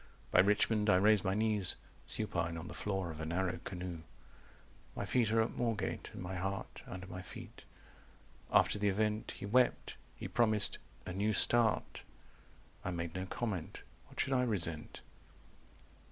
By Richmond I raised my knees Supine on the floor of a narrow canoe." 295 "My feet are at Moorgate, and my heart Under my feet. After the event He wept. He promised 'a new start.' I made no comment. What should I resent?"